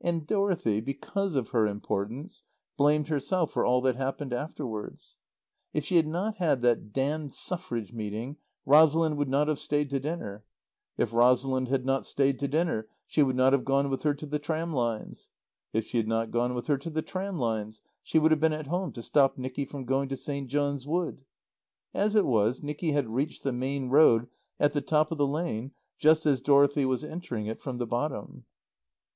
And Dorothy, because of her importance, blamed herself for all that happened afterwards. If she had not had that damned Suffrage meeting, Rosalind would not have stayed to dinner; if Rosalind had not stayed to dinner she would not have gone with her to the tram lines; if she had not gone with her to the tram lines she would have been at home to stop Nicky from going to St. John's Wood. As it was, Nicky had reached the main road at the top of the lane just as Dorothy was entering it from the bottom.